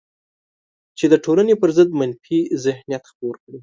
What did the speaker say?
چې د ټولنې پر ضد منفي ذهنیت خپور کړي